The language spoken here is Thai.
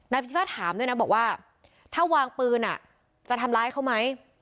พิชิมาตรถามด้วยนะบอกว่าถ้าวางปืนจะทำร้ายเขาไหม